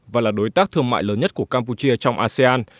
và là đối tác thương mại lớn nhất của campuchia trong asean